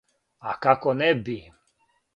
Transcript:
А како не би?